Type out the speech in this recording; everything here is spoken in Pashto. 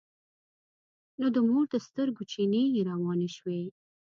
نو د مور د سترګو چينې يې روانې شوې.